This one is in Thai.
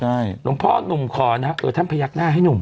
หลวงพ่อหนุ่มขอนะเออท่านพยักหน้าให้หนุ่ม